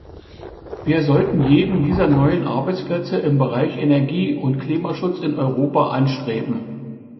Wir sollten jeden dieser neuen Arbeitsplätze im Bereich Energie und Klimaschutz in Europa anstreben.